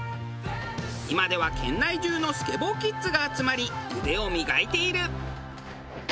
今では県内中のスケボーキッズが集まり腕を磨いている。